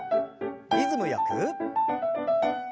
リズムよく。